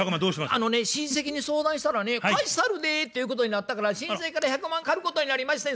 あのね親戚に相談したらね貸したるでっていうことになったから親戚から１００万借ることになりましてん。